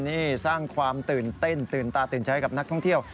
นี่สร้างความตื่นเต้นตื่นตาตื่นใจกับนักท่องเที่ยว